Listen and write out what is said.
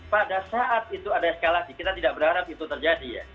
pada saat itu ada eskalasi kita tidak berharap itu terjadi ya